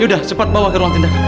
yaudah cepat bawa ke ruang tindakan